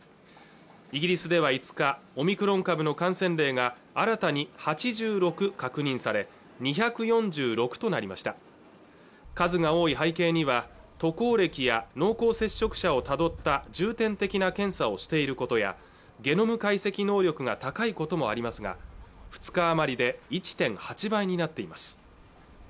イギリスでは５日、オミクロン株の感染例が新たに８６確認され２４６となりました数が多い背景には渡航歴や濃厚接触者をたどった重点的な検査をしている事やゲノム解析能力が高いこともありますが２日余りで１．８倍になっています